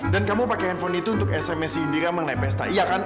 dan kamu pake handphone itu untuk sms indira mengenai pesta iya kan